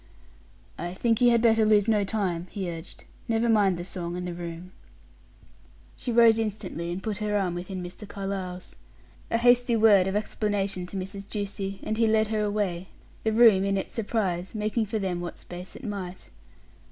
"I think you had better lose no time," he urged. "Never mind the song and the room." She rose instantly, and put her arm within Mr. Carlyle's. A hasty word of explanation to Mrs. Ducie, and he led her away, the room, in its surprise, making for them what space it might.